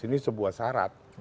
ini sebuah syarat